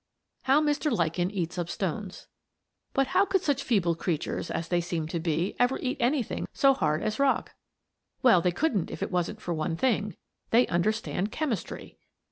HOW MR. LICHEN EATS UP STONES But how could such feeble creatures, as they seem to be, ever eat anything so hard as rock? Well, they couldn't if it wasn't for one thing they understand chemistry.